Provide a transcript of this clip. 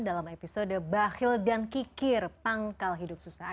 dalam episode bakhil dan kikir pangkal hidup susah